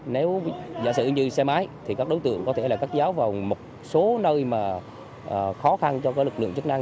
nếu giả sử như xe máy thì các đối tượng có thể là cắt giáo vào một số nơi mà khó khăn cho lực lượng chức năng